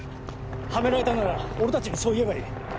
はめられたなら俺たちにそう言えばいい。